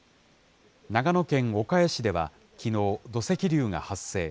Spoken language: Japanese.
長野県岡谷市ではきのう、土石流が発生。